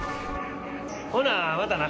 ほなまたな。